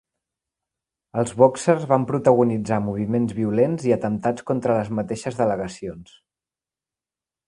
Els bòxers van protagonitzar moviments violents i atemptats contra les mateixes delegacions.